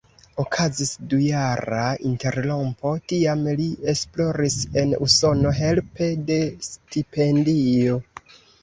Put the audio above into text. Okazis dujara interrompo, tiam li esploris en Usono helpe de stipendio.